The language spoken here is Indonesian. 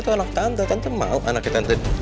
tante mau anaknya tante